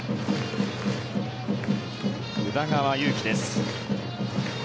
宇田川優希です。